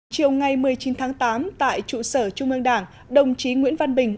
chiều ngày một mươi chín tháng tám tại trụ sở trung ương đảng đồng chí nguyễn văn bình